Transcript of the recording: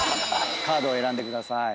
カードを選んでください。